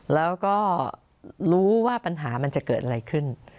แล้วก็รู้ว่าปัญหามันจะเกิดอะไรขึ้น